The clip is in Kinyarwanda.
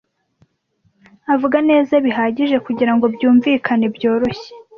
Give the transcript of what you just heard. Avuga neza bihagije kugirango byumvikane byoroshye.